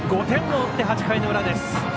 ５点を追って、８回の裏。